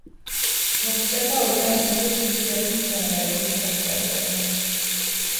გვხვდება უკრაინისთვის იშვიათი მცენარეების სახეობები.